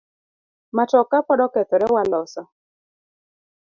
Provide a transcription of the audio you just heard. Matoka pod okethore waloso.